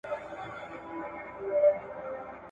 تاسي تل مثبت فکر کوئ.